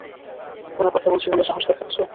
ফোনে কথা বলছি বলে সাহস দেখাচ্ছো?